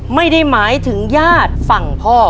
ไม่ได้หมายถึงญาติฝั่งพ่อ